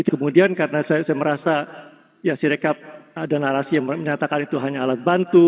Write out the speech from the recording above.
kemudian karena saya merasa ya si rekap ada narasi yang menyatakan itu hanya alat bantu